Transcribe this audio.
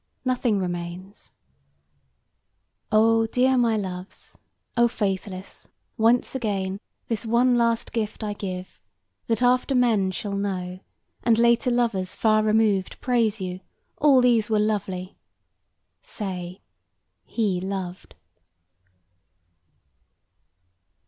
Nothing remains. O dear my loves, O faithless, once again This one last gift I give: that after men Shall know, and later lovers, far removed, Praise you, "All these were lovely"; say, "He loved."